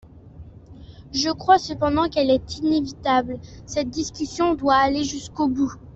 Je crois cependant qu’elle est inévitable : cette discussion doit aller jusqu’au bout.